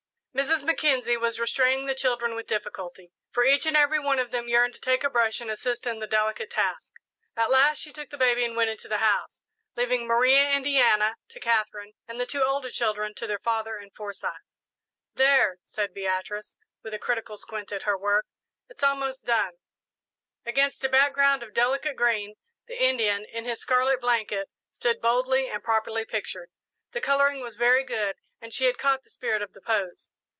'" Mrs. Mackenzie was restraining the children with difficulty, for each and every one of them yearned to take a brush and assist in the delicate task. At last she took the baby and went into the house, leaving Maria Indiana to Katherine, and the two older children to their father and Forsyth. "There," said Beatrice, with a critical squint at her work; "it's almost done." Against a background of delicate green, the Indian, in his scarlet blanket, stood boldly and properly pictured. The colouring was very good and she had caught the spirit of the pose.